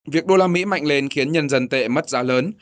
việc đô la mỹ mạnh lên khiến nhân dân tệ mất giá lớn